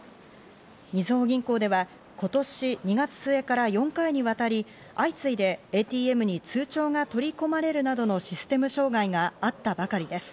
みずほ銀行では今年２月末から４回にわたり、相次いでＡＴＭに通帳が取り込まれるなどのシステム障害があったばかりです。